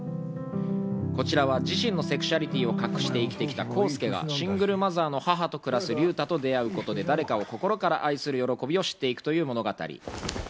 こちらは自身のセクシャリティーを隠して生きてきた浩輔がシングルマザーの母と暮らす龍太と出会うことで、誰かを心から愛する喜びを知っていくという物語。